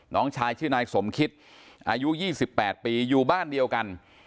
น้องชายชื่อนายสมคิตอายุ๒๘ปีอยู่บ้านเดียวกัน